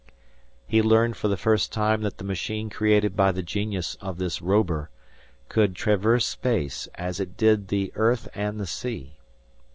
He learned for the first time that the machine created by the genius of this Robur, could traverse space, as it did the earth and the sea.